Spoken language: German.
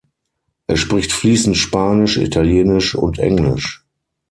Er spricht fließend Spanisch, Italienisch und Englisch.